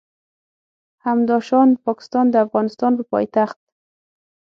همداشان پاکستان د افغانستان په پایتخت